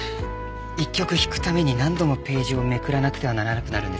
１曲弾くために何度もページをめくらなくてはならなくなるんですね。